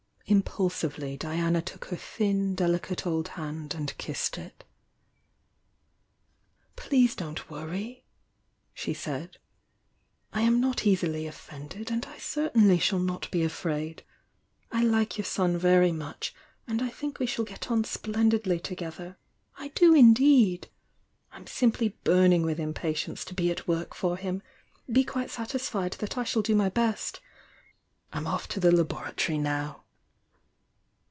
Impulsively, Diana took her thin delicate old hand ard kissed it. "Please don't woriy!" she said. "I am not easily offended, and I certainly shall not be afraid! I like your son very much, and I think we shall get on splendidly together— I do, indeed! I'm simply burning with impatience to be at work for him! Be quite satisfied that I shall do my best! I'm off to the laboratory now."